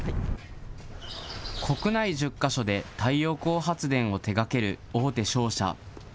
国内１０か所で太陽光発電を手がける大手商社。